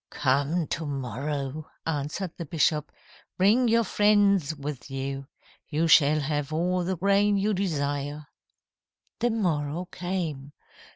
"'Come to morrow,' answered the bishop. 'Bring your friends with you. You shall have all the grain you desire.' "The morrow came.